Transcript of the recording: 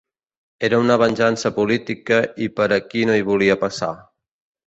Era una venjança política i per aquí no hi volia passar.